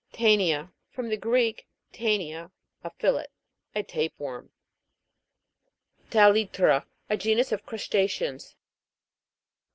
TJE'NIA. From the Greek, tainia, a fillet. A tape worm. TAH'TRA. A genus of crusta'ceans.